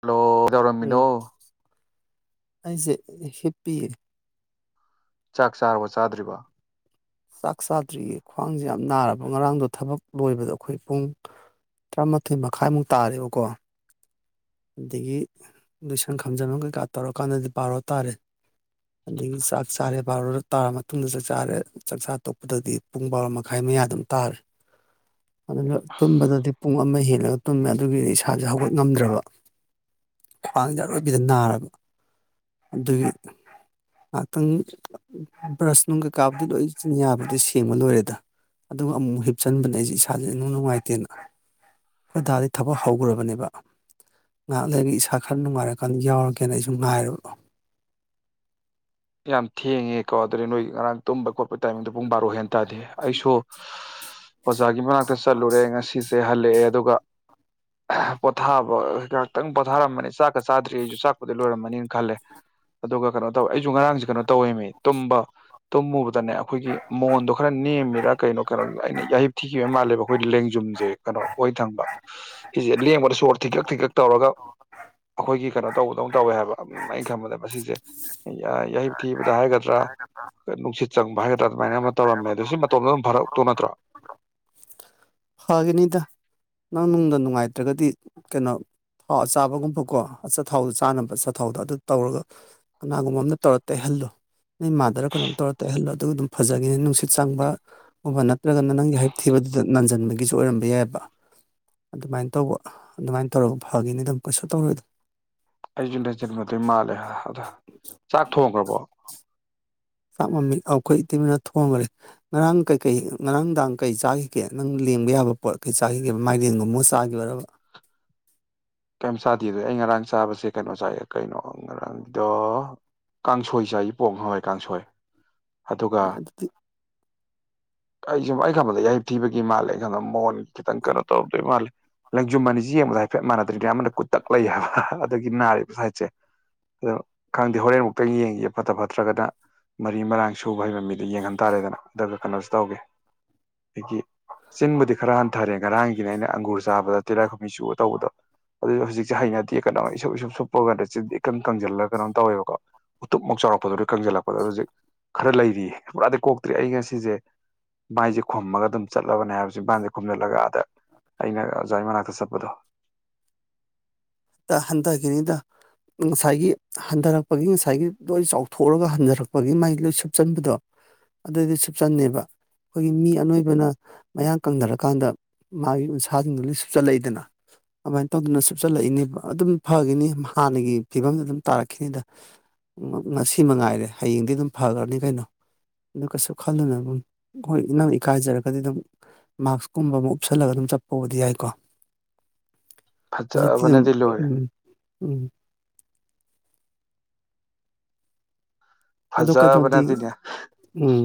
hello ꯀꯩꯗꯧꯔꯝꯃꯤꯅꯣ ꯑꯩꯖꯦ ꯍꯤꯞꯄꯤꯌꯦ ꯆꯥꯛ ꯆꯥꯔꯕꯣ ꯆꯥꯗ꯭ꯔꯤꯕꯣ ꯆꯥꯛ ꯆꯥꯗ꯭ꯔꯤꯌꯦ ꯈ꯭ꯋꯥꯡꯖꯦ ꯌꯥꯝ ꯅꯥꯔꯕ ꯉꯔꯥꯡꯗꯣ ꯊꯕꯛ ꯂꯣꯏꯕꯗ ꯑꯈꯣꯏ ꯄꯨꯡ ꯇ꯭ꯔꯥꯃꯥꯊꯣꯏ ꯃꯈꯥꯏꯃꯨꯛ ꯇꯥꯔꯦꯕꯀꯣ ꯑꯗꯒꯤ ꯂꯣꯏꯁꯟ ꯈꯥꯝꯖꯟꯕ ꯀꯩꯀꯥ ꯇꯧꯔꯀꯥꯟꯗꯗꯤ ꯕꯥꯔꯣ ꯇꯥꯔꯦ ꯑꯗꯒꯤ ꯆꯥꯛ ꯆꯥꯔꯦ ꯕꯥꯔꫭ ꯇꯥꯔ ꯃꯇꯨꯡꯗ ꯆꯛ ꯆꯥꯔꯦ ꯆꯛꯆꯥ ꯇꯣꯛꯄꯗꯗꯤ ꯄꯨꯡ ꯕꯥꯔꯣ ꯃꯈꯥꯏ ꯃꯌꯥ ꯑꯗꯨꯝ ꯇꯔꯦ ꯑꯗꯨꯅ ꯇꯨꯝꯕꯗꯗꯤ ꯄꯨꯡ ꯑꯃ ꯍꯦꯜꯂꯒ ꯇꯨꯝꯃꯦ ꯑꯗꯨꯒꯤꯗꯤ ꯏꯁꯥꯖꯦ ꯍꯧꯒꯠ ꯉꯝꯗ꯭ꯔꯕ ꯈ꯭ꯋꯥꯡꯖꯦ ꯑꯔꯣꯏꯕꯤꯗ ꯅꯥꯔꯕ ꯑꯗꯨꯒꯤ ꯉꯥꯛꯇꯪ ꯕ꯭ꯔꯁ ꯅꯨꯡꯀꯩꯀꯥꯕꯨꯗꯤ ꯂꯣꯏ ꯆꯤꯟ ꯌꯥꯕꯨꯗꯤ ꯁꯦꯡꯕ ꯂꯣꯏꯔꯦꯗ ꯑꯗꯨꯒ ꯑꯃꯨꯛ ꯍꯤꯞꯆꯟꯕꯅꯦ ꯑꯩꯖꯦ ꯏꯁꯥꯥꯖꯦ ꯏꯅꯨꯡ ꯅꯨꯡꯉꯥꯏꯇꯦꯅ [unintelligible] ꯗꯥꯗꯤ ꯊꯕꯛ ꯍꯧꯒ꯭ꯔꯕꯅꯦꯕ ꯉꯍꯥꯛ ꯂꯩꯔ ꯏꯁꯥ ꯈꯔ ꯅꯨꯡꯉꯥꯏꯔꯀꯥꯟꯗ ꯌꯥꯎꯔꯒꯦꯅ ꯑꯩꯁꯨ ꯉꯥꯏꯔꯕ ꯌꯥꯝ ꯊꯦꯡꯉꯦꯀꯣ ꯑꯗꯨꯗꯩ ꯅꯣꯏ ꯉꯔꯥꯡ ꯇꯨꯝꯕ ꯈꯣꯠꯄ ꯇꯥꯏꯃꯤꯡꯗꯣ ꯄꯨꯡ ꯕꯥꯔꯣ ꯍꯦꯟ ꯇꯥꯗꯤ ꯑꯩꯁꯨ ꯑꯣꯖꯥꯒꯤ ꯃꯅꯥꯛꯇ ꯆꯠꯂꯨꯔꯦ ꯉꯁꯤꯁꯦ ꯍꯜꯂꯛꯑꯦ ꯑꯗꯨꯒ ꯍꯥ ꯄꯣꯠꯊꯥꯕ ꯉꯥꯛꯇꯪ ꯄꯣꯠꯊꯥꯔꯝꯕꯅꯤ ꯆꯥꯛꯀ ꯆꯥꯗ꯭ꯔꯤ ꯑꯩꯖꯨ ꯆꯥꯛꯄꯨꯗꯤ ꯂꯣꯏꯔꯝꯃꯅꯤꯅ ꯈꯜꯂꯦ ꯑꯗꯨꯒ ꯀꯩꯅꯣ ꯇꯧꯋꯦ ꯑꯩꯖꯨ ꯉꯔꯥꯡꯖꯦ ꯀꯩꯅꯣ ꯇꯧꯋꯦꯃꯤ ꯇꯨꯝꯕ ꯇꯨꯝꯃꯨꯕꯗꯅꯦ ꯑꯈꯣꯏꯒꯤ ꯃꯣꯟꯗꯣ ꯈꯔ ꯅꯦꯝꯃꯤꯔꯥ ꯀꯩꯅꯣ ꯀꯩꯅꯣ ꯑꯩꯅ ꯌꯥꯍꯤꯞ ꯊꯤꯈꯤꯕ ꯃꯥꯜꯂꯦꯕ ꯑꯈꯣꯏ ꯂꯦꯡꯖꯨꯝꯖꯦ ꯀꯩꯅꯣ ꯑꯣꯏ ꯊꯪꯕ ꯁꯤꯖꯦ ꯂꯦꯡꯕꯗ ꯁꯣꯔ ꯊꯤꯀꯛ ꯊꯤꯀꯛ ꯇꯧꯔꯒ ꯑꯈꯣꯏꯒꯤ ꯀꯩꯅꯣ ꯇꯧꯕꯗꯧꯅ ꯇꯧꯋꯦ ꯍꯥꯏꯕ ꯑꯩ ꯈꯟꯕꯗ ꯃꯁꯤꯁꯦ [unintelligible] ꯌꯥꯍꯤꯞ ꯊꯤꯕꯗ ꯍꯥꯏꯒꯗ꯭ꯔ [unintelligible] ꯅꯨꯡꯁꯤꯠ [unintelligible] ꯍꯥꯏꯒꯗ꯭ꯔ ꯑꯗꯨꯃꯥꯏꯅ ꯑꯃ ꯇꯧꯔꯝꯃꯦ ꯑꯗꯣ ꯁꯤ ꯃꯇꯣꯝꯇ ꯑꯗꯨꯝ ꯐꯔꯛꯇꯧ ꯅꯠꯇ꯭ꯔꯣ ꯐꯒꯅꯤꯗ ꯅꯪ ꯅꯨꯡꯗ ꯅꯨꯡꯉꯥꯏꯇ꯭ꯔꯒꯗꯤ ꯀꯩꯅꯣ ꯊꯥꯎ ꯑꯆꯥꯕꯒꯨꯝꯕꯀꯣ ꯑꯆꯊꯥꯎꯗꯣ ꯆꯥꯅꯕ ꯑꯆꯊꯥꯎꯗꯣ ꯑꯗꯨ ꯇꯧꯔꯒ ꯀꯅꯥꯒꯨꯝꯕꯝꯅ ꯇꯧꯔ ꯇꯩꯍꯜꯂꯨ ꯅꯣꯏ ꯃꯥꯗꯔ ꯀꯩꯅꯣꯝ ꯇꯧꯔ ꯇꯩꯍꯜꯂꯣ ꯑꯗꯨ ꯑꯗꯨꯝ ꯐꯖꯒꯤꯅꯤ ꯅꯨꯡꯁꯤꯠ ꯆꯪꯕ ꯒꯨꯝꯕ ꯅꯠ [unintelligible] ꯅꯪꯒꯤ ꯌꯍꯤꯞ ꯊꯤꯕꯗꯨꯗ ꯅꯟꯖꯟꯕꯒꯤꯁꯨ ꯑꯣꯏꯔꯝꯕ ꯌꯥꯏꯌꯦꯕ ꯑꯗꯨꯃꯥꯏꯅ ꯇꯧꯕ ꯑꯗꯨꯃꯥꯏꯅ ꯇꯧꯔꯒ ꯐꯒꯤꯅꯤ ꯗꯨꯝ ꯀꯩꯁꯨ ꯇꯧꯔꯣꯏꯗ ꯑꯩꯖꯨ ꯅꯖꯤꯟꯕꯗꯤ ꯃꯥꯜꯂꯦ ꯑꯗ ꯆꯥꯛ ꯊꯣꯡꯒ꯭ꯔꯕꯣ ꯆꯥꯛ ꯃꯃꯤ ꯑꯈꯣꯏ ꯏꯇꯩꯃꯅ ꯊꯣꯡꯒ꯭ꯔꯦ ꯉꯔꯥꯡ ꯀꯩꯀꯩ ꯉꯔꯥꯡꯗꯥꯡ ꯀꯩ ꯆꯥꯈꯤꯒꯦ ꯅꯪ ꯂꯦꯡꯕ ꯌꯥꯕ ꯄꯣꯠ ꯀꯩ ꯆꯥꯒꯤꯒꯦꯕ ꯃꯥꯏꯔꯦꯟꯒꯨꯝꯕꯒ ꯆꯥꯒꯤꯕ꯭ꯔꯕ ꯀꯩꯝ ꯆꯥꯗꯦꯗꯣ ꯑꯩ ꯉꯔꯥꯡ ꯆꯥꯕꯁꯦ ꯀꯩꯅꯣ ꯆꯥꯏꯌꯦ ꯀꯩꯅꫭ ꯉꯔꯥꯡꯒꯤꯗꯣ ꯀꯥꯡꯁꯣꯏ ꯆꯥꯏꯌꯦ ꯄꯣꯡ ꯍꯋꯥꯏ ꯀꯥꯡꯁꯣꯏ ꯑꯗꯨꯒ ꯑꯗꯨꯗꯤ [inaudible] ꯑꯩ ꯁꯨꯝ ꯑꯩ ꯈꯟꯕꯗ ꯌꯥꯍꯤꯞ ꯊꯤꯕꯒꯤ ꯃꯥꯜꯂꯦ ꯑꯩ ꯈꯟꯕꯗ ꯃꯣꯟ ꯈꯤꯇꯪ ꯀꯩꯅꯣ ꯇꯧꯔꯝꯗꯣꯏ ꯃꯥꯜꯂꯦ ꯂꯦꯡꯖꯨꯝ ꯑꯅꯤꯖꯦ ꯌꯦꯡꯕꯗ ꯍꯥꯏꯐꯦꯠ ꯃꯥꯟꯅꯗ꯭ꯔꯤꯅꯦ ꯑꯃꯅ ꯀꯨꯠꯇꯛ ꯂꯩ ꯍꯥꯏꯕ ꯑꯗꯒꯤ ꯅꯥꯔꯤꯕ ꯁꯥꯏꯠꯁꯦ ꯑꯗꯣ ꯈꯪꯗꯦ ꯍꯧꯔꯦꯟꯕꯨꯛꯇ ꯌꯦꯡꯒꯤꯒꯦ ꯐꯠꯇ ꯐꯠꯇ꯭ꯔꯒꯅ ꯃꯔꯤ ꯃꯔꯥꯡ ꯁꯨꯕ ꯍꯩꯕ ꯃꯤꯗ ꯌꯦꯡꯍꯟ ꯇꯥꯔꯦꯗꯅ ꯑꯗꯨꯒ ꯀꯩꯅꯣꯁꯨ ꯇꯧꯒꯦ [unintelligible] ꯆꯤꯟꯕꯨꯗꯤ ꯈꯔ ꯍꯟꯊꯔꯦ ꯉꯔꯥꯡꯒꯤꯅꯦ ꯑꯩꯅ ꯑꯪꯒꯨꯔ ꯆꯥꯕꯗ ꯇꯤꯔꯥꯏꯈꯨꯝꯕꯤ ꯆꯨꯔ ꯇꯧꯕꯗꯣ ꯑꯗꯨ ꯍꯧꯖꯤꯛꯁꯦ ꯍꯩꯅꯗꯦ ꯀꯩꯅꯣ ꯏꯁꯨꯞ ꯏꯁꯨꯞ ꯁꯨꯞꯄꯒꯅꯦ ꯆꯤꯟꯖꯦ ꯏꯀꯪ ꯀꯪꯖꯤꯜꯂꯒ ꯀꯩꯅꯣꯝ ꯇꯧꯋꯦꯕꯀꯣ ꯎꯇꯨꯞꯃꯨꯛ ꯆꯥꯎꯔꯛꯄꯗꯨꯅ ꯀꯪꯖꯜꯂꯛꯄꯗ ꯍꯧꯖꯤꯛ ꯈꯔ ꯂꯩꯔꯤꯌꯦ ꯄꯨꯔꯥꯗꯤ ꯀꯣꯛꯇ꯭ꯔꯤ ꯑꯩ ꯉꯁꯤꯖꯦ ꯃꯥꯏꯖꯦ ꯈꯨꯝꯃꯒ ꯑꯗꯨꯝ ꯆꯠꯂꯕꯅꯦ ꯍꯥꯏꯕ ꯆꯤꯝꯕꯥꯟꯖꯦ ꯈꯨꯝꯖꯜꯂꯒ ꯑꯥꯗ ꯑꯩꯅꯒ ꯑꯣꯖꯥꯏ ꯃꯅꯥꯛꯇ ꯆꯠꯄꯗꯣ [unintelligible] ꯍꯟꯗꯒꯤꯅꯤꯗ ꯉꯁꯥꯏꯒꯤ ꯍꯟꯗꯔꯛꯄꯒꯤ ꯉꯁꯥꯏꯒꯤ ꯂꯣꯏ ꯆꯥꯎꯊꯣꯛꯎꯔꯒ ꯍꯟꯗꯔꯛꯄꯒꯤ ꯃꯥꯏ ꯂꯣꯏ ꯁꯨꯞꯆꯟꯕꯗꯣ ꯑꯗꯨꯗꯤ ꯁꯨꯞꯆꯟꯅꯦꯕ ꯈꯣꯏꯒꯤ ꯃꯤ ꯑꯅꯣꯏꯕꯅ ꯃꯌꯥꯡ ꯀꯪꯗꯔꯀꯥꯟꯗ ꯃꯥꯒꯤ ꯎꯟꯁꯥꯁꯤꯡꯗꯨ ꯂꯣꯏ ꯁꯨꯞꯆꯜꯂꯛꯏꯗꯅ ꯑꯃꯥꯏ ꯇꯧꯗꯅ ꯁꯨꯞꯆꯜꯂꯛꯏꯅꯦ ꯑꯗꯨꯝ ꯐꯒꯤꯅꯤ ꯍꯥꯟꯅꯒꯤ ꯐꯤꯕꯝꯗ ꯑꯗꯨꯝ ꯇꯥꯔꯛꯈꯤꯅꯤꯗ [unintelligible] ꯉꯁꯤ ꯃꯉꯥꯏꯔꯦ ꯍꯌꯦꯡꯗꯤ ꯑꯗꯨꯝ ꯐꯒ꯭ꯔꯅꯤ ꯀꯩꯅꯣ ꯑꯗꯨ ꯀꯩꯁꯨ ꯈꯜꯂꯨꯅꯨ [unintelligible] ꯍꯣꯏ ꯅꯪ ꯏꯀꯥꯏꯖꯔꯒꯗꯤ ꯑꯗꯨꯝ ꯃꯥꯛꯁ ꯀꯨꯝꯕ ꯑꯃ ꯎꯞꯁꯜꯂꯒ ꯑꯗꯨꯝ ꯆꯠꯄꯕꯨꯗꯤ ꯌꯥꯏꯀꯣ ꯍꯧꯖꯤꯛꯇꯤ ꯑꯗꯨꯝ ꯐꯖꯕꯅꯗꯤ ꯂꯣꯏꯔꯦ ꯎꯝ ꯎꯝ ꯑꯗꯣ ꯀꯩꯅꯣꯗꯤ ꯐꯖꯕꯅꯗꯤꯅꯦ ꯎꯝ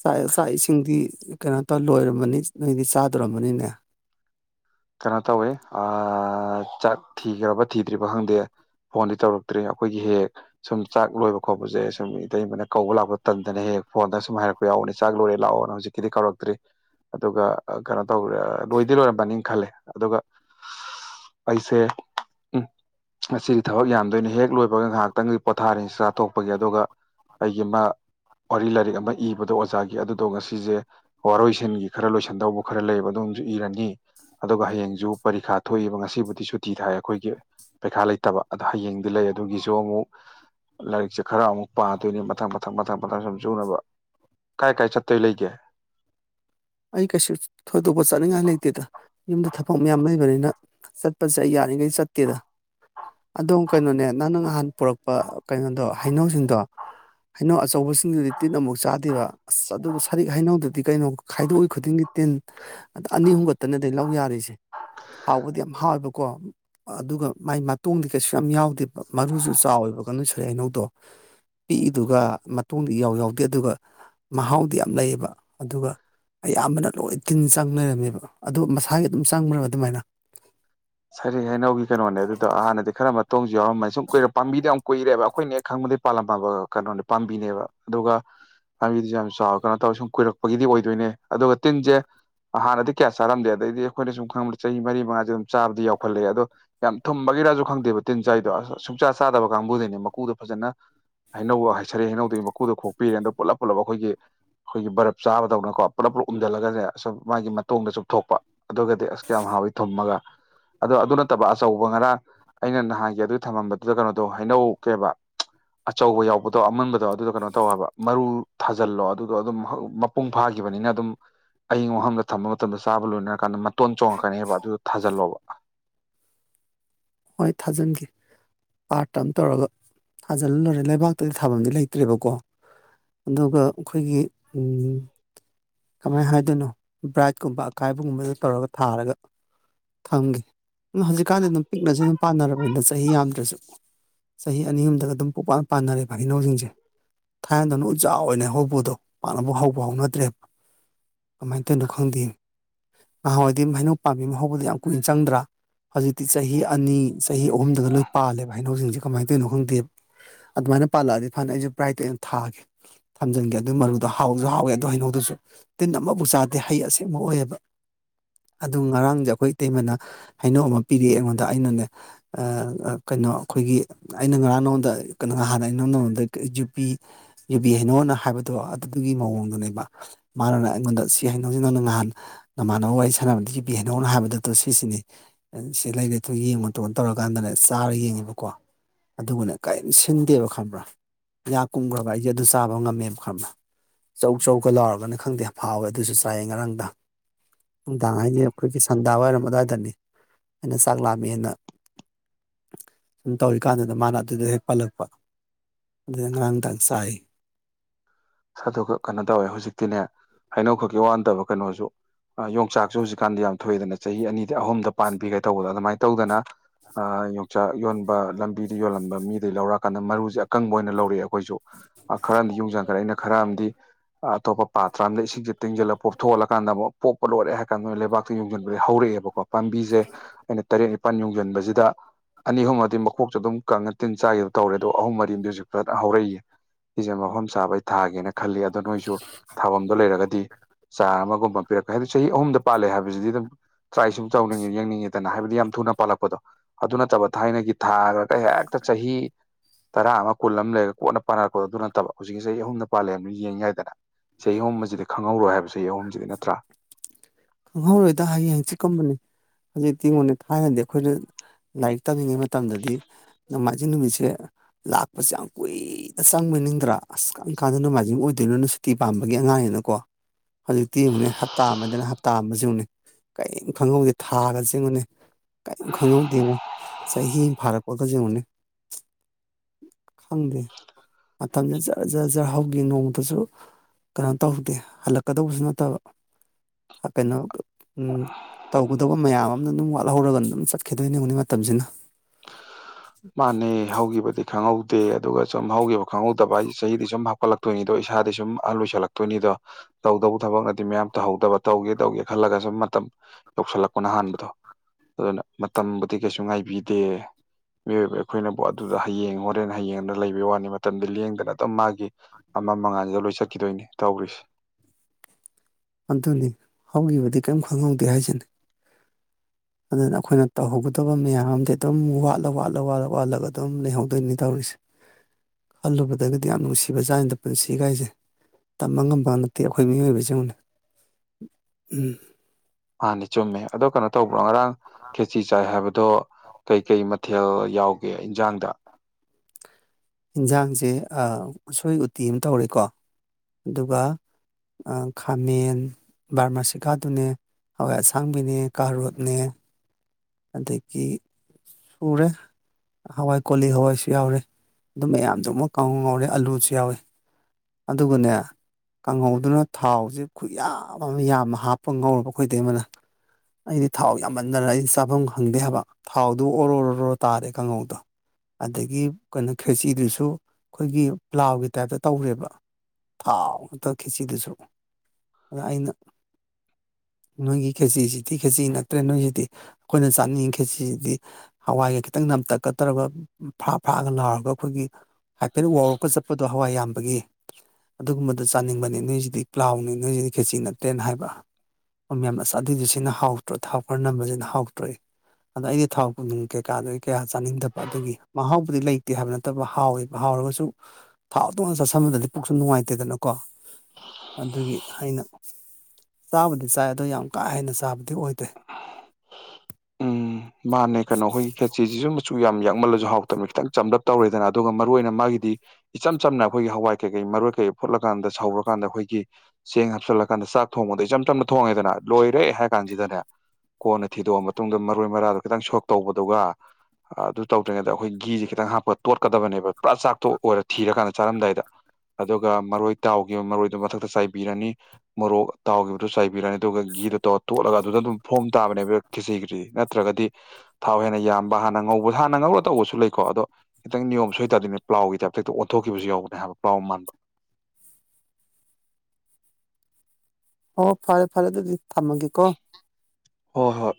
ꯆꯥꯛ ꯆꯥꯛ ꯏꯁꯤꯡꯗꯤ ꯀꯩꯅꯣ ꯇꯧꯔ ꯂꯣꯏꯔꯝꯃꯅꯤ ꯅꯣꯏꯗꯤ ꯆꯥꯗꯣꯔꯃꯅꯤꯅꯦ ꯀꯩꯅꯣ ꯇꯧꯋꯦ ꯑ ꯆꯥꯛ ꯊꯤꯈ꯭ꯔꯕ ꯊꯤꯗ꯭ꯔꯤꯕ ꯈꯪꯗꯦ ꯐꯣꯟꯗꯤ ꯇꯧꯔꯛꯇ꯭ꯔꯤ ꯑꯩꯈꯣꯏꯒꯤ ꯍꯦꯛ ꯍꯦꯛ ꯁꯨꯝ ꯆꯥꯛ ꯂꯣꯏꯕ ꯈꯣꯠꯄꯁꯦ ꯁꯨꯝ ꯏꯇꯩꯃꯅ ꯀꯧꯕ ꯂꯥꯛꯄ ꯇꯟꯗꯅ ꯍꯦꯛ ꯐꯣꯟꯗ ꯁꯨꯝ ꯍꯥꯏꯔꯛꯄ ꯌꯥꯎꯕꯅꯦ ꯆꯥꯛ ꯂꯣꯏꯔꯦ ꯂꯥꯛꯑꯣꯅ ꯍꯧꯖꯤꯛꯀꯤꯗꯤ ꯀꯧꯔꯛꯇ꯭ꯔꯤ ꯑꯗꯨꯒ ꯀꯩꯅꯣ ꯇꯧꯔꯦ ꯂꯣꯏꯗꯤ ꯂꯣꯏꯔꯝꯃꯅꯤ ꯈꯜꯂꯦ ꯑꯗꯨꯒ ꯑꯩꯁꯦ ꯎꯝ ꯉꯁꯤꯗꯤ ꯊꯕꯛ ꯌꯥꯝꯗꯣꯏꯅꯤ ꯍꯦꯛ ꯂꯣꯏꯕꯒ ꯉꯥꯏꯍꯥꯛꯇꯪꯗꯤ ꯄꯣꯊꯥꯔ ꯆꯥꯛꯇꯣꯛꯄꯒꯤ ꯑꯗꯨꯒ ꯑꯩꯒꯤꯃ ꯋꯥꯔꯤ ꯂꯥꯏꯔꯤꯛ ꯑꯃ ꯏꯕꯗꯣ ꯑꯣꯖꯥꯒꯤ ꯑꯗꯨꯗꯣ ꯉꯁꯤꯁꯦ ꯋꯥꯔꯣꯏꯁꯤꯟꯒꯤ ꯈꯔ ꯂꯣꯏꯁꯤꯟꯗꯧꯕ ꯈꯔ ꯂꯩꯕ ꯑꯗꯨꯝ ꯗꯨ ꯏꯔꯅꯤ ꯑꯗꯨꯒ ꯍꯌꯦꯡꯁꯨ ꯄꯔꯤꯈꯥ ꯊꯣꯛꯏꯕ ꯉꯁꯤꯕꯨꯗꯤ ꯁꯨꯇꯤ ꯊꯥꯏ ꯑꯈꯣꯏꯒꯤ ꯄꯩꯈꯥ ꯂꯩꯇꯕ ꯑꯗꯣ ꯍꯌꯦꯡꯗꯤ ꯂꯩ ꯑꯗꯨꯒꯤꯁꯨ ꯑꯃꯨꯛ ꯂꯥꯏꯔꯤꯛꯁꯦ ꯈꯔ ꯑꯃꯨꯛ ꯄꯥꯗꯣꯏꯅꯤ ꯃꯊꯪ ꯃꯊꯪ ꯃꯊꯪ ꯃꯊꯪ ꯁꯨꯝ ꯆꯨꯅꯕ ꯀꯥꯏ ꯀꯥꯏ ꯆꯠꯇꯣꯏ ꯂꯩꯒꯦ ꯑꯩ ꯀꯩꯁꯨ ꯊꯣꯏꯗꯣꯛꯄ ꯆꯠꯅꯤꯡꯉꯥꯏ ꯂꯩꯇꯦꯗ ꯌꯨꯝꯗ ꯊꯕꯛ ꯃꯌꯥꯝ ꯂꯩꯕꯅꯤꯅ ꯆꯠꯄꯁꯦ ꯑꯩ ꯌꯥꯔꯤꯈꯩ ꯆꯠꯇꯦꯗ ꯑꯗꯣꯝ ꯀꯩꯅꯣꯅꯦ ꯅꯪꯅ ꯉꯍꯥꯟ ꯄꯨꯔꯛꯄ ꯀꯩꯅꯣꯗꯣ ꯍꯩꯅꯧꯁꯤꯡꯗꯣ ꯍꯩꯅꯧ ꯑꯆꯧꯕꯁꯤꯡꯗꯨꯗꯤ ꯇꯤꯟ ꯑꯃꯨꯛ ꯆꯥꯗꯦꯕ ꯑꯁ ꯑꯗꯨꯕꯨ ꯁꯔꯤꯛ ꯍꯩꯅꯧꯗꯨꯗꯤ ꯀꯩꯅꯣ ꯈꯥꯏꯗꯣꯛꯏ ꯈꯨꯗꯤꯡꯒꯤ ꯇꯤꯟ ꯑꯗ ꯑꯅꯤꯍꯨꯝ ꯈꯛꯇꯅꯦ ꯗꯩ ꯂꯧ ꯌꯥꯔꯤꯁꯦ ꯍꯥꯎꯕꯨꯗꯤ ꯌꯥꯝ ꯍꯥꯎꯋꯦꯕ ꯀꯣ ꯑꯗꯨꯒ ꯃꯥꯏ ꯃꯇꯣꯡꯗꯤ ꯀꯩꯁꯨ ꯌꯥꯝ ꯌꯥꯎꯗꯦꯕ ꯃꯔꯨꯁꯨ ꯆꯥꯎꯋꯦꯕ [unintelligible] ꯁꯔꯩ ꯍꯩꯅꯧꯗꯣ ꯄꯤꯛꯏꯗꯨꯒ ꯃꯇꯣꯡꯗꯨ ꯏꯌꯥꯎ ꯌꯥꯎꯗꯦ ꯑꯗꯨꯒ ꯃꯍꯥꯎꯗꯤ ꯌꯥꯝ ꯂꯩꯌꯦꯕ ꯑꯗꯨꯒ ꯑꯌꯥꯝꯕꯅ ꯂꯣꯏ ꯇꯤꯟ ꯆꯪ ꯂꯩꯔꯝꯃꯦꯕ ꯑꯗꯨ ꯃꯁꯥꯒꯤ ꯑꯗꯨꯝ ꯆꯪꯕ꯭ꯔꯕ ꯑꯗꯨꯃꯥꯏꯅ ꯁꯔꯩ ꯍꯩꯅꯧꯒꯤ ꯀꯩꯅꯣꯅꯦ ꯑꯗꯨꯗꯣ ꯍꯥꯟꯅꯗꯤ ꯈꯔ ꯃꯇꯣꯡꯁꯨ ꯌꯥꯎꯔꯝꯃꯦ ꯁꯨꯝ ꯀꯏꯔ ꯄꯥꯝꯕꯤꯗꯣ ꯌꯥꯝ ꯀꯨꯏꯔꯦꯕ ꯑꯩꯈꯣꯏꯅ ꯍꯦꯛ ꯈꯪꯕ ꯗꯩꯩ ꯄꯥꯜꯂꯝ ꯄꯥꯟꯕ ꯀꯩꯅꯣꯅꯦ ꯄꯥꯝꯕꯤꯅꯦꯕ ꯑꯗꯨꯒ ꯄꯥꯟꯕꯤꯗꯨꯁꯨ ꯌꯥꯝ ꯆꯥꯎꯔ ꯀꯥꯟ ꯇꯧꯋꯦ ꯁꯨꯝ ꯀꯨꯏꯔꯛꯄꯒꯤꯗꯤ ꯑꯣꯏꯗꯣꯏꯅꯦ ꯑꯗꯨꯒ ꯇꯤꯟꯖꯦ ꯍꯥꯟꯅꯗꯤ ꯀꯌꯥ ꯆꯥꯔꯝꯗꯦ ꯑꯗꯩꯗꯤ ꯑꯈꯣꯏꯅ ꯁꯨꯝ ꯈꯪꯕꯗ ꯆꯍꯤ ꯃꯔꯤ ꯃꯉꯥꯁꯦ ꯑꯗꯨꯝ ꯆꯥꯕꯗ ꯌꯥꯎꯈꯠꯂꯛꯑꯦ ꯑꯗꯣ ꯌꯥꯝ ꯊꯨꯝꯕꯒꯤꯔꯥꯁꯨ ꯈꯪꯗꯦꯕ ꯇꯤꯟ ꯆꯥꯏꯗꯣ ꯑꯁ ꯁꯨꯛꯆꯥ ꯆꯥꯗꯕ ꯀꯥꯡꯕꯨꯗꯤꯅꯦ ꯃꯀꯨꯗꯣ ꯐ ꯖꯅ ꯍꯩꯅꯧ ꯁꯔꯩ ꯍꯩꯅꯧꯗꯨꯒꯤ ꯃꯀꯨꯗꯣ ꯈꯣꯛꯄꯤꯔꯦ ꯑꯗꯣ ꯄꯨꯜꯂꯞ ꯄꯨꯜꯂꯞ ꯑꯈꯣꯏꯒꯤ ꯑꯈꯣꯏꯒꯤ ꯕꯔꯞ ꯆꯥꯕꯗꯧꯅꯀꯣ ꯄꯨꯂꯞ ꯄꯨꯂꯞ ꯎꯝꯖꯤꯜꯂꯒꯅꯦ ꯁꯨꯅ ꯃꯥꯒꯤ ꯃꯇꯣꯡꯗꯣ ꯆꯨꯞꯊꯣꯛꯄ ꯑꯗꯨꯒꯗꯤ ꯑꯁ ꯀ꯭ꯌꯥꯝ ꯍꯥꯎꯋꯤ ꯊꯨꯝꯃꯒ ꯑꯗꯣ ꯑꯗꯨ ꯅꯠꯇꯕ ꯑꯆꯧꯕ ꯉꯔꯥꯡ ꯑꯩꯅ ꯅꯍꯥꯟꯒꯤ ꯑꯗꯨꯏ ꯊꯝꯃꯝꯕꯗꯨꯗ ꯀꯩꯅꯣꯗꯣ ꯍꯩꯅꯧ ꯀꯩꯕ ꯑꯆꯧꯕ ꯌꯥꯎꯕꯗꯣ ꯑꯃꯨꯟꯕꯗꯣ ꯑꯗꯨꯗꯣ ꯀꯩꯅꯣ ꯇꯧ ꯍꯥꯏꯕ ꯃꯔꯨ ꯊꯥꯖꯤꯜꯂꯣ ꯑꯗꯨꯗꯣ ꯑꯗꯨꯝ ꯃꯄꯨꯡ ꯐꯥ ꯈꯤꯕꯅꯤꯅ ꯑꯗꯨꯝ ꯑꯌꯤꯡꯕ ꯃꯐꯝꯗ ꯊꯝꯕ ꯃꯇꯝꯗ ꯆꯥꯕ ꯂꯣꯏꯅꯔꯀꯥꯟꯗ ꯃꯇꯣꯟ ꯆꯣꯡꯉꯛꯀꯅꯦꯕ ꯑꯗꯨ ꯊꯥꯖꯜꯂꯣꯕ ꯍꯣꯏ ꯊꯥꯖꯟꯒꯦ ꯄꯥꯔꯠꯇ ꯑꯝ ꯇꯧꯔꯒ ꯊꯥꯖꯤꯜꯂꯣꯏꯔꯦ ꯂꯩꯕꯥꯛꯇꯗꯤ ꯊꯥꯕꯝꯗꯤ ꯂꯩꯇ꯭ꯔꯦꯕꯀꯣ ꯑꯗꯨꯒ ꯑꯈꯣꯏꯒꯤ ꯎꯝ ꯀꯃꯥꯏ ꯍꯥꯏꯗꯣꯏꯅꯣ ꯕ꯭ꯔꯥꯏꯠꯀꯨꯝꯕ ꯑꯀꯥꯏꯕꯒꯨꯝꯕꯗ ꯇꯧꯔꯒ ꯊꯥꯔꯒ ꯊꯝꯒꯦ ꯅꯣ ꯍꯧꯖꯤꯛꯀꯥꯟꯗꯤ ꯑꯗꯨꯝ ꯄꯤꯛꯅꯁꯨ ꯑꯗꯨꯝ ꯄꯥꯟꯅꯔꯕꯅꯤꯗ ꯆꯍꯤ ꯌꯥꯝꯗ꯭ꯔꯁꯨ ꯆꯍꯤ ꯑꯅꯤ ꯑꯍꯨꯝꯗꯒ ꯑꯗꯨꯝ ꯄꯨꯡꯄꯥꯟ ꯄꯥꯟꯅꯔꯦꯕ ꯍꯩꯅꯧ ꯁꯤꯡꯁꯦ ꯊꯥꯏꯟ ꯗꯧꯅ ꯎꯖꯥꯎ ꯑꯣꯏꯅ ꯍꯧꯕꯗꯣ ꯄꯥꯛꯅꯕꯨ ꯍꯧꯕꯨ ꯍꯧꯅꯗ꯭ꯔꯦꯕ ꯀꯃꯥꯏ ꯇꯩꯅꯣ ꯈꯪꯗꯦ ꯅꯍꯥꯟꯋꯥꯏꯗꯤ ꯍꯩꯅꯧ ꯄꯥꯝꯕꯤ ꯑꯃ ꯍꯧꯕꯗ ꯌꯥꯝ ꯀꯨꯏ ꯆꯪꯗ꯭ꯔꯥ ꯍꯧꯖꯤꯛꯇꯤ ꯆꯍꯤ ꯑꯅꯤ ꯆꯍꯤ ꯑꯍꯨꯝꯗꯒ ꯂꯣꯏ ꯄꯥꯜꯂꯦꯕ ꯍꯩꯅꯧꯁꯤꯡꯁꯦ ꯀꯃꯥꯏ ꯇꯩꯅꯣ ꯈꯪꯗꯦꯕ ꯑꯗꯨꯃꯥꯏꯅ ꯄꯥꯜꯂꯛꯑꯗꯤ ꯐꯅ ꯑꯩꯁꯨ ꯕ꯭ꯔꯥꯏꯗ ꯇ ꯑꯦꯅ ꯊꯥꯒꯦ ꯊꯝꯖꯤꯟꯒꯦ ꯑꯗꯨ ꯃꯔꯨꯗꯣ ꯍꯥꯎꯁꯨ ꯍꯥꯎꯋꯦ ꯑꯗꯣ ꯍꯩꯅꯧꯗꯨꯁꯨ ꯇꯤꯟ ꯑꯃꯕꯨ ꯆꯥꯗꯦ ꯍꯩ ꯑꯁꯦꯡꯕ ꯑꯣꯏꯌꯦꯕ ꯑꯗꯨ ꯉꯔꯥꯡꯁꯦ ꯑꯈꯣꯏ ꯏꯇꯩꯃꯅꯥ ꯍꯩꯅꯧ ꯑꯃꯝ ꯄꯤꯔꯛꯑꯦ ꯑꯩꯉꯣꯟꯗ ꯑꯩꯅꯅꯦ ꯑ ꯀꯩꯅꯣ ꯑꯈꯣꯏꯒꯤ ꯑꯩꯅ ꯉꯔꯥꯡ ꯅꯉꯣꯟꯗ ꯀꯩꯅꯣ ꯅꯍꯥꯟꯅ ꯑꯩꯅ ꯅꯉꯣꯟꯗꯒ ꯖꯨꯄꯤ ꯌꯨꯕꯤ [unintelligible] ꯅꯉꯣꯟꯗ ꯍꯥꯏꯕꯗꯣ ꯑꯗꯨꯗꯨꯒꯤ ꯃꯑꯣꯡꯗꯨꯅꯦꯕ ꯃꯥꯅ ꯑꯩꯉꯣꯟ ꯑꯩꯉꯣꯟꯗ ꯁꯤ ꯍꯩꯅꯧꯁꯤ ꯅꯪꯅ ꯅꯍꯥꯟ ꯅꯃꯥꯟꯅꯕ ꯋꯥꯔꯤ ꯁꯥꯟꯅꯕꯗ ꯌꯨꯕꯤ [unintelligible] ꯅꯥꯉꯣꯟꯗ ꯍꯥꯏꯕꯗꯣ ꯁꯤꯁꯤꯅꯤ ꯁꯤ ꯂꯩ ꯂꯩ [unintelligible] ꯒꯤ [unintelligible] ꯃꯇꯣꯟ ꯇꯧꯔꯀꯥꯟꯗꯅꯦ ꯆꯥꯔ ꯌꯦꯡꯉꯦꯕꯀꯣ ꯑꯗꯨꯒꯅꯦ ꯀꯔꯤꯝ ꯁꯤꯟꯗꯦꯕ ꯈꯪꯕ꯭ꯔꯥ ꯌꯥ ꯀꯨꯝꯒ꯭ꯔꯕ ꯑꯩꯁꯦ ꯑꯗꯨ ꯆꯥꯕ ꯉꯝꯃꯦꯕ ꯈꯪꯕ꯭ꯔꯥ ꯆꯧ ꯆꯧꯒ ꯂꯥꯎꯔꯒꯅꯦ ꯈꯪꯗꯦ ꯌꯥꯝ ꯍꯥꯎꯋꯦ ꯑꯗꯨꯁꯨ ꯆꯥꯏꯌꯦ ꯉꯔꯥꯡ ꯅꯨꯡꯗꯥꯡ ꯅꯨꯡꯗꯥꯡ ꯍꯥꯏꯗꯤ ꯑꯈꯣꯏꯒꯤ ꯁꯟꯗꯥ ꯋꯥꯏꯔꯝ ꯑꯗꯥꯏꯗꯅꯦ ꯑꯩꯅ ꯆꯥꯛ ꯂꯥꯝꯃꯦꯅ ꯁꯨꯝ ꯇꯧꯔꯤꯀꯥꯟꯗꯅ ꯃꯥꯅ ꯑꯗꯨꯗ ꯍꯦꯛ ꯄꯜꯂꯛꯄ [unintelligible] ꯑꯗꯨꯒ ꯒꯤ ꯋꯥ ꯅꯠꯇꯕ ꯀꯩꯅꯣꯁꯨ ꯑ ꯌꯣꯡꯆꯥꯛꯁꯨ ꯍꯧꯖꯤꯛꯀꯥꯟꯗꯤ ꯌꯥꯝ ꯊꯣꯛꯑꯦꯗꯅ ꯆꯍꯤ ꯑꯅꯤꯗ ꯑꯍꯨꯝꯗ ꯄꯥꯟꯕꯤ ꯀꯥꯏ ꯇꯧꯕꯗꯣ ꯑꯗꯨꯃꯥꯏ ꯇꯧꯗꯅ ꯑ ꯌꯣꯡꯆꯥꯛ ꯌꯣꯟꯕ ꯂꯝꯕꯤꯗ ꯌꯣꯜꯂꯝꯕ ꯃꯤꯗꯩꯩ ꯂꯧꯔꯛꯑꯀꯥꯟꯗ ꯃꯔꯨꯁꯦ ꯑꯀꯪꯕ ꯑꯣꯏꯅ ꯂꯧꯔꯛꯑꯦ ꯑꯈꯣꯏꯁꯨ ꯍ ꯑ ꯈꯔꯗꯤ ꯌꯨꯝꯖꯟꯈꯔꯦ ꯑꯩꯅ ꯈꯔ ꯑꯝꯗꯤ ꯑꯇꯣꯞꯄ ꯄꯥꯠꯇ꯭ꯔꯥ ꯑꯃꯗ ꯏꯁꯤꯡꯁꯦ ꯇꯤꯡꯖꯤꯜꯂ ꯄꯣꯞꯊꯣꯛꯍꯜꯂꯀꯥꯟꯗ ꯑꯃꯨꯛ ꯄꯣꯛꯄ ꯂꯣꯏꯔꯦ ꯍꯥꯏ ꯀꯥꯟꯗ ꯂꯩꯕꯥꯛ ꯉꯥꯥꯛꯇ ꯌꯨꯡꯖꯤꯟꯒꯔꯦ ꯍꯧꯔꯛꯑꯦꯕꯀꯣ ꯄꯥꯝꯕꯤꯁꯦ ꯑꯩꯅ ꯇꯔꯦꯠ ꯅꯤꯄꯥꯜ ꯌꯨꯡꯖꯟꯕꯁꯤꯗ ꯑꯅꯤ ꯑꯍꯨꯝ ꯃꯗꯤ ꯃꯀꯣꯛꯁꯨ ꯑꯗꯨꯝ ꯀꯪꯉ ꯇꯤꯟ ꯆꯥꯌꯦꯕ ꯇꯧꯔꯦ ꯑꯗꯣ ꯑꯍꯨꯝ ꯃꯔꯤꯗꯤ ꯐꯖꯅ ꯍꯧꯔꯛꯏꯌꯦ ꯁꯤꯁꯦ ꯃꯐꯝ ꯆꯥꯕꯩ ꯊꯥꯒꯦꯅ ꯈꯜꯂꯤ ꯑꯗꯣ ꯅꯣꯏꯁꯨ ꯊꯥꯕꯝꯗꯣ ꯂꯩꯔꯒꯗꯤ ꯆꯥꯔ ꯑꯃꯒꯨꯝꯕ ꯄꯤꯔꯛꯀꯦ ꯍꯥꯏꯗꯤ ꯆꯍꯤ ꯑꯍꯨꯝꯗ ꯄꯥꯜꯂꯦ ꯍꯥꯏꯕꯁꯤꯗꯤ ꯑꯗꯨꯝ ꯇ꯭ꯔꯥꯏ ꯁꯨꯝ ꯇꯧꯅꯤꯡꯉꯦ ꯌꯦꯡꯅꯤꯡꯉꯦꯗꯅ ꯍꯥꯏꯕꯗꯤ ꯌꯥꯝ ꯊꯨꯅ ꯄꯥꯜꯂꯛꯄꯗꯣ ꯑꯗꯨ ꯅꯠꯇꯕ ꯊꯥꯏꯅꯒꯤ ꯊꯥꯔꯒ ꯑꯦꯍ ꯍꯦꯛꯇ ꯆꯍꯤ ꯇꯔꯥ ꯑꯃ ꯀꯨꯟ ꯑꯃ ꯂꯩꯔꯒ ꯀꯣꯟꯅ ꯄꯥꯅꯔꯛꯄ ꯑꯗꯨ ꯅꯠꯇꯕ ꯍꯧꯖꯤꯛ ꯆꯍꯤ ꯑꯍꯨꯝꯗ ꯄꯥꯜꯂꯦ ꯍꯥꯏꯕꯅꯤꯅꯥ ꯌꯦꯡ ꯌꯥꯏꯗꯅ ꯆꯍꯤ ꯑꯍꯨꯝ ꯑꯁꯤꯗꯤ ꯈꯪꯍꯧꯔꯣꯏ ꯍꯥꯏꯕꯁꯤ ꯆꯍꯤ ꯑꯍꯨꯝꯁꯤꯗꯤ ꯅꯠꯇ꯭ꯔꯥ ꯈꯪꯍꯧꯔꯣꯏꯗ ꯍꯌꯦꯡ ꯍꯪꯆꯤꯠ ꯀꯨꯝꯕꯅꯦ ꯍꯧꯖꯤꯛꯇꯤ [unintelligible] ꯊꯥꯏꯅꯗꯤ ꯑꯩꯈꯣꯏꯅ ꯍ ꯂꯥꯏꯔꯤꯛ ꯇꯝꯃꯤꯉꯩ ꯃꯇꯝꯗꯗꯤ ꯅꯣꯡꯃꯥꯏꯖꯤꯡ ꯅꯨꯃꯤꯠꯁꯦ ꯂꯥꯛꯄꯁꯦ ꯌꯥꯝ ꯀꯨꯏꯅ ꯆꯪꯕꯣꯏ ꯅꯤꯡꯗ꯭ꯔꯥ ꯑꯁ ꯀꯪꯝ ꯀꯥꯟꯗꯅ ꯅꯣꯡꯃꯥꯏꯖꯤꯡ ꯑꯣꯏꯗꯣꯏꯅꯣꯅ ꯁꯨꯇꯤ ꯄꯥꯝꯕꯒꯤ ꯑꯉꯥꯡ ꯅꯀꯣ ꯍꯧꯖꯤꯛꯇꯤ ꯌꯦꯡꯉꯨꯅꯦ ꯍꯞꯇꯥ ꯑꯃꯗꯅ ꯍꯞ ꯍꯥꯞꯇ ꯑꯃꯁꯤ ꯌꯦꯡꯉꯨꯅꯦ ꯀꯔꯤꯝ ꯈꯪꯍꯧꯗꯦ ꯊꯥꯒꯁꯦ ꯌꯦꯡꯉꯨꯅꯦ ꯀꯔꯤꯝ ꯈꯪꯍꯧꯗꯦꯉꯣ ꯍ ꯆꯍꯤ ꯑꯃ ꯐꯥꯔꯛꯄꯒꯁꯦ ꯌꯦꯡꯉꯨꯅꯦ ꯈꯪꯗꯦ ꯃꯇꯝꯅ ꯖꯔ ꯖꯔ ꯖꯔ ꯍꯧꯈꯤ ꯅꯣꯡꯃꯇꯁꯨ ꯀꯅꯥꯝ ꯇꯧꯗꯦ ꯍꯜꯂꯛꯀꯗꯧꯕꯁꯨ ꯅꯠꯇꯕ ꯑ ꯀꯩꯅꯣ ꯀ ꯎꯝ ꯇꯧꯒꯗꯧꯕ ꯃꯌꯥꯝ ꯑꯃꯅ ꯅꯨꯡ ꯋꯥꯠ ꯂꯧꯍꯧꯔꯒ ꯑꯗꯨꯝ ꯆꯠꯈꯤꯗꯨꯏꯅꯦ ꯌꯦꯡꯉꯨꯅꯦ ꯃꯇꯝꯁꯤꯅ ꯃꯥꯅꯦ ꯍꯧꯈꯤꯕꯗꯤ ꯈꯪꯍꯧ ꯗꯦ ꯑꯗꯨꯒ ꯁꯨꯝ ꯍꯧꯈꯤꯕ ꯈꯪꯍꯧꯗꯕ ꯍꯥꯏꯁꯦ ꯆꯍꯤꯗꯤ ꯁꯨꯝ ꯍꯥꯞꯀꯠꯂꯛꯇꯣꯏꯅꯤꯗꯣ ꯏꯁꯥꯗꯤ ꯁꯨꯝ ꯑꯍꯜ ꯑꯣꯏꯁꯜꯂꯛꯇꯣꯏꯅꯤꯗꯣ ꯍ ꯇꯧꯗꯧꯕ ꯊꯕꯛꯅꯗꯤ ꯃꯌꯥꯝ ꯇꯧꯍꯧꯗꯕ ꯇꯧꯒꯦ ꯇꯧꯒꯦ ꯈꯜꯂꯒ ꯁꯨꯝ ꯃꯇꯝ ꯌꯧꯁꯤꯜꯂꯛꯄ ꯍꯥꯟꯕꯗꯣ ꯑꯗꯨꯅ ꯃꯇꯝꯕꯨꯗꯤ ꯀꯩꯁꯨ ꯉꯥꯏꯕꯤꯗꯦ ꯃꯤꯑꯣꯏꯕ ꯑꯩꯈꯣꯏꯅꯕꯨ ꯑꯗꯨꯗ ꯍꯌꯦꯡ ꯍꯣꯔꯦꯟ ꯍꯌꯦꯡꯅ ꯂꯩꯕꯩ ꯋꯥꯅꯦ ꯃꯇꯝꯗꯤ ꯂꯦꯡꯗꯅ ꯑꯗꯨꯝ ꯃꯥꯒꯤ ꯍ ꯑꯝ ꯃ ꯃꯉꯥꯜꯒꯤꯗ ꯂꯣꯏ ꯆꯠꯈꯤꯗꯣꯏꯅꯦ ꯇꯧꯔꯤꯁꯦ ꯑꯗꯨꯅꯤ ꯍꯧꯈꯤꯕꯗꯤ ꯀꯔꯤꯝ ꯈꯪꯍꯧꯗꯦ ꯍꯥꯏꯁꯤꯅꯤ ꯑꯗꯨꯅ ꯑꯈꯣꯏꯅ ꯇꯧꯍꯧꯒꯗꯕ ꯃꯌꯥꯝꯗꯤ ꯑꯗꯨꯝ ꯋꯥꯠꯂ ꯋꯥꯠꯂ ꯋꯥꯠꯂ ꯋꯥꯠꯂꯒ ꯑꯗꯨꯝ ꯂꯩꯍꯧꯗꯣꯏꯅꯤ ꯇꯧꯔꯤ [unintelligible] ꯈꯜꯂꯨꯕꯗꯒꯗꯤ ꯌꯥꯝ ꯅꯨꯡꯁꯤꯕꯖꯥꯠꯅꯤꯗ ꯄꯨꯟꯁꯤꯒꯥꯏꯁꯦ ꯇꯝꯕ ꯉꯝꯕ ꯅꯠꯇꯦ ꯑꯩꯈꯣꯏ ꯃꯤꯑꯣꯏꯕꯁꯦ ꯌꯦꯡꯎꯅꯦ ꯎ ꯎꯝ ꯃꯥꯅꯦ ꯆꯨꯝꯃꯦ ꯑꯗꯣ ꯀꯩꯅꯣ ꯇꯧꯕ꯭ꯔꯣ ꯉꯔꯥꯡ ꯈꯦꯆꯤ ꯆꯥꯏ ꯍꯥꯏꯕ ꯗꯣ ꯀꯩ ꯀꯩ ꯃꯊꯦꯜ ꯌꯥꯎꯒꯦ ꯏꯟꯖꯥꯡꯗ ꯏꯟꯖꯥꯡꯖꯦ ꯑꯥ ꯎꯁꯣꯏ ꯎꯇꯤ ꯑꯃ ꯇꯧꯔꯦꯀꯣ ꯑꯗꯨꯒ ꯑꯥ ꯈꯥꯃꯦꯟ ꯕꯔꯃꯥꯔꯁꯤꯀꯥꯗꯨꯅꯦ ꯍꯋꯥꯏ ꯑꯁꯥꯡꯕꯤꯅꯦ ꯀꯥꯔꯣꯠꯅꯦ ꯑꯗꯒꯤ ꯎꯔꯦ ꯍꯋꯥꯏ ꯀꯣꯂꯤ ꯍꯋꯥꯏꯁꯨ ꯌꯥꯎꯔꯦ ꯑꯗꯨ ꯃꯌꯥꯝꯗꯨ ꯃꯨꯛ ꯀꯥꯡꯍꯧ ꯉꯧꯔꯦ ꯑꯂꯨꯁꯨ ꯌꯥꯎꯋꯦ ꯑꯗꯨꯕꯨꯅꯦ ꯀꯥꯡꯍꯧꯗꯨꯅ ꯊꯥꯎꯖꯤ ꯈꯨꯌꯥꯝ ꯑꯃ ꯌꯥꯝꯅ ꯍꯥꯞꯄ ꯉꯧꯔꯕ ꯑꯩꯈꯣꯏ ꯇꯩꯃꯅ ꯑꯩꯗꯤ ꯊꯥꯎ ꯌꯥꯝꯃꯟꯗꯅ ꯑꯩ ꯆꯥꯚꯝ ꯈꯪꯗꯦ ꯍꯥꯏꯕ ꯊꯥꯎꯗꯨ ꯑꯣꯔꯣꯔꯣ ꯇꯥꯔꯦ ꯀꯥꯡꯍꯧꯗꯣ ꯑꯗꯒꯤ ꯀꯩꯅꯣ ꯈꯦꯔꯆꯤꯗꯨꯁꯨ ꯑꯩꯈꯣꯏꯒꯤ ꯄ꯭ꯂꯥꯎꯒꯤ ꯇꯥꯏꯞꯇ ꯇꯧꯔꯦꯕ ꯊꯥꯎ ꯉꯥꯛꯇ ꯈꯦꯆꯤꯗꯨꯁꯨ ꯑꯗ ꯑꯩꯅ ꯅꯣꯏꯒꯤ ꯈꯦꯆꯤꯁꯤꯗꯤ ꯈꯦꯆꯤ ꯅꯠꯇ꯭ꯔꯦ ꯅꯣꯏꯁꯤꯗꯤ ꯑꯩꯈꯣꯏꯅ ꯆꯥꯅꯤꯡꯉꯤ ꯈꯦꯆꯤꯗꯤ ꯍꯋꯥꯏꯒ ꯈꯤꯇꯪ ꯅꯝꯇꯛꯀ ꯇꯧꯔꯒ ꯐꯔꯥ ꯐꯔꯥꯒ ꯂꯥꯎꯔꯒ ꯑꯩꯈꯣꯏꯒꯤ ꯍꯥꯏꯐꯦꯠ ꯋꯥꯎꯔꯞꯀ ꯆꯠꯄꯗꯣ ꯍꯋꯥꯏ ꯌꯥꯝꯕꯒꯤ ꯑꯗꯨꯒꯨꯝꯕꯗꯨ ꯆꯥꯅꯤꯡꯕꯅꯤ ꯅꯣꯏꯖꯤꯗꯤ ꯄ꯭ꯂꯥꯎꯅꯤ ꯅꯣꯏꯖꯤꯗꯤ ꯈꯦꯆꯤ ꯅꯠꯇꯦꯅ ꯍꯥꯏꯕ ꯃꯣꯏꯃꯌꯥꯝꯅ ꯑꯗꯨꯑꯣꯏꯁꯨ ꯁꯤꯅ ꯍꯥꯎꯇ꯭ꯔꯣ ꯊꯥꯎ ꯈꯔ ꯅꯝꯕꯁꯤꯅ ꯍꯥꯎꯇ꯭ꯔꯥꯌꯦ ꯑꯗ ꯑꯩꯗꯤ ꯊꯥꯎ ꯊꯨꯝꯖꯤꯡ ꯀꯩꯀꯥꯗꯣ ꯑꯩ ꯀꯌꯥ ꯆꯥꯅꯤꯡꯗꯕ ꯑꯗꯨꯒꯤ ꯃꯍꯥꯎꯕꯨꯗꯤ ꯂꯩꯇꯦ ꯍꯥꯏꯕ ꯅꯠꯇꯕ ꯍꯥꯎꯋꯦꯕ ꯍꯥꯎ ꯍꯥꯎꯔꯒꯁꯨ ꯊꯥꯎꯗꯨ ꯉꯛ ꯆꯥꯁꯟꯕꯗꯗꯤ ꯄꯨꯛꯁꯨ ꯅꯨꯡꯉꯥꯏꯇꯦꯗꯅꯀꯣ ꯑꯗꯨꯒꯤ ꯑꯩꯅ ꯆꯥꯕꯨꯗꯤ ꯆꯥꯏ ꯑꯗꯨ ꯌꯥꯝ ꯀꯥ ꯍꯦꯟꯅ ꯆꯥꯕꯗꯤ ꯑꯣꯏꯗꯦ ꯎꯝ ꯃꯥꯅꯦ ꯀꯩꯅꯣ ꯑꯩꯈꯣꯏꯒꯤ ꯈꯦꯆꯤꯁꯤꯖꯨ ꯃꯆꯨ ꯌꯥꯝ ꯌꯥꯛ ꯃꯜꯂꯁꯨ ꯍꯥꯎꯇꯝꯅꯦ ꯈꯤꯇꯪ ꯆꯝꯂꯛ ꯇꯧꯔꯦꯗꯅ ꯑꯗꯨꯒ ꯃꯔꯨꯑꯣꯏꯅ ꯃꯥꯒꯤꯗꯤ ꯏꯆꯝ ꯆꯝꯅ ꯑꯩꯈꯣꯏꯒꯤ ꯍꯋꯥꯏ ꯀꯩꯀꯩ ꯃꯔꯣꯏ ꯀꯩ ꯐꯨꯠꯂꯀꯥꯟꯗ ꯁꯧꯔꯀꯥꯟꯗ ꯑꯩꯈꯣꯏꯒꯤ ꯆꯦꯡ ꯍꯥꯞꯆꯜꯂꯀꯥꯟꯗ ꯆꯥꯛ ꯊꯣꯡꯕꯗ ꯏꯆꯝ ꯆꯝꯅ ꯊꯣꯡꯉꯦꯗꯅ ꯂꯣꯏꯔꯦ ꯍꯥꯏꯀꯥꯟ ꯀꯥꯟꯖꯤꯗꯅꯦ ꯀꯣꯟꯅ ꯊꯤꯗꯣꯛꯑ ꯃꯇꯨꯡꯗ ꯃꯔꯣꯏ ꯃꯔꯥꯗꯣ ꯈꯤꯇꯪ ꯁꯣꯛ ꯇꯧꯕꯗꯨꯒ ꯑꯗꯨ ꯇꯧꯗ꯭ꯔꯤꯉꯩꯗ ꯑꯩꯈꯣꯏ ꯘꯤꯁꯦ ꯈꯤꯇꯪ ꯍꯥꯞꯄ ꯇꯣꯠꯀꯗꯕꯅꯦꯕ ꯄꯨꯔꯥ ꯆꯥꯛꯇꯣ ꯑꯣꯏꯔ ꯊꯤꯔꯀꯥꯟꯗ ꯆꯥꯔꯝꯗꯥꯏꯗ ꯑꯗꯨꯒ ꯃꯔꯣꯏ ꯇꯥꯎꯒꯤꯕ ꯃꯔꯣꯏꯗꯨ ꯃꯊꯛꯇ ꯆꯥꯏꯕꯤꯔꯅꯤ ꯃꯣꯔꯣꯛ ꯇꯥꯎꯒꯤꯕꯗꯨ ꯆꯥꯏꯕꯤꯔꯦ ꯗꯨꯒ ꯘꯤꯗꯣ ꯇꯧꯔ ꯇꯣꯠꯂꯒ ꯑꯗꯨꯗ ꯑꯗꯨꯝ ꯐꯣꯝ ꯇꯥꯕꯅꯦꯕ ꯈꯦꯆꯤꯒꯤꯗꯤ ꯅꯠꯇ꯭ꯔꯒꯗꯤ ꯊꯥꯎ ꯍꯦꯟꯅ ꯌꯥꯝꯕ ꯍꯥꯟꯅ ꯉꯧꯕ ꯍꯥꯟꯅ ꯉꯧꯔ ꯇꯧꯕꯁꯨ ꯂꯩꯀꯣ ꯑꯗꯣ ꯈꯤꯇꯪ ꯅꯤꯌꯣꯝ ꯁꯣꯏꯇꯥꯗꯤ ꯄ꯭ꯂꯥꯎꯒꯤ ꯇꯥꯏꯞꯇ ꯍꯦꯛꯇ ꯑꯣꯟꯊꯣꯛꯈꯤꯕꯖꯨ ꯌꯥꯎꯕꯅꯦ ꯍꯥꯏꯕ ꯄ꯭ꯂꯥꯎ ꯃꯥꯟꯕ [inaudible] ꯑꯣ ꯐꯔꯦ ꯐꯔꯦ ꯑꯗꯨꯗꯤ ꯊꯝꯃꯒꯦꯀꯣ ꯍꯣꯏ ꯍꯣꯏ